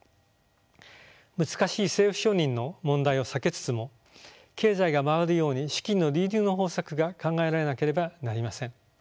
難しい政府承認の問題を避けつつも経済が回るように資金の流入の方策が考えられなければなりません。